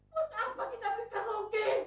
buat apa kita berkarongke